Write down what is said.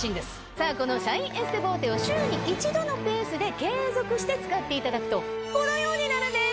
さぁこのシャインエステボーテを週に１度のペースで継続して使っていただくとこのようになるんです。